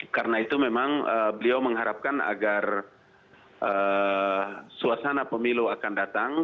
karena itu memang beliau mengharapkan agar suasana pemilu akan datang